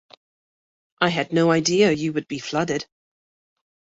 I had no idea you would be flooded.